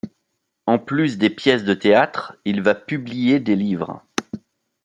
En plus des pièces de théâtre, il va publier des livres.